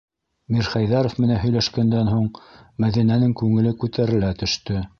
Мирхәйҙәров менән һөйләшкәндән һуң Мәҙинәнең күңеле күтәрелә төштө.